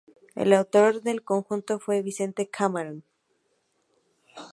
El autor del conjunto fue Vicente Camarón.